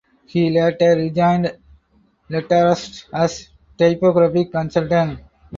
He later rejoined Letraset as Typographic Consultant.